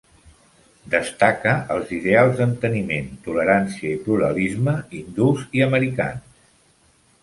Destaca els ideals d'enteniment, tolerància i pluralisme hindús i americans.